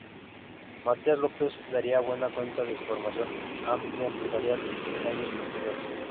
Matías López daría buena cuenta de su formación amplia empresarial en años posteriores.